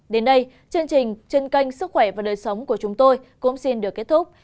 đến đây chương trình trân canh sức khỏe và đời sống của chúng tôi cũng xin được kết thúc